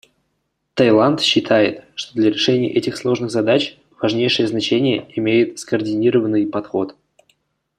Таиланд считает, что для решения этих сложных задач важнейшее значение имеет скоординированный подход.